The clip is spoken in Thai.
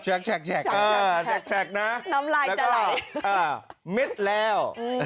แล้วก็เม็ดแล้ว